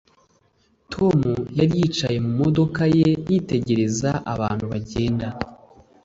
Tom yari yicaye mu modoka ye yitegereza abantu bagenda